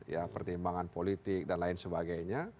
ya pertimbangan politik dan lain sebagainya